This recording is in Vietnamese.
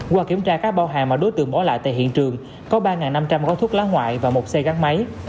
qua kiểm tra các bao hàng mà đối tượng bỏ lại tại hiện trường có ba năm trăm linh gói thuốc lá ngoại và một xe gắn máy